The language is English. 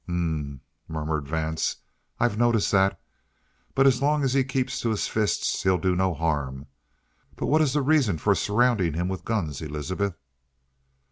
"H'm," murmured Vance. "I've noticed that. But as long as he keeps to his fists, he'll do no harm. But what is the reason for surrounding him with guns, Elizabeth?"